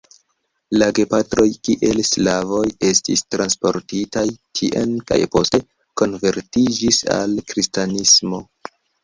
La gepatroj kiel sklavoj estis transportitaj tien kaj poste konvertiĝis al kristanismo.